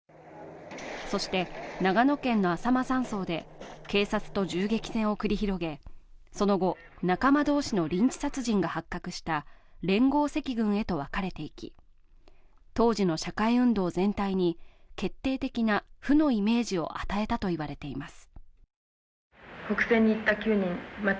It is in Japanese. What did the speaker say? そして、長野県のあさま山荘で警察と銃撃戦を繰り広げ、その後、仲間同士のリンチ殺人が発覚した連合赤軍へと分かれていき当時の社会運動全体に決定的な負のイメージを与えたといわれています。